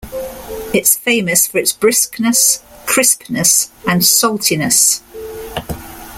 It's famous for its briskness, crispness and saltiness.